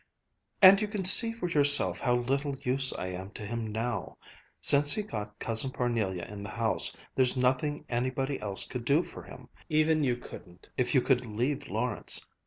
"... and you can see for yourself how little use I am to him now. Since he got Cousin Parnelia in the house, there's nothing anybody else could do for him. Even you couldn't, if you could leave Lawrence.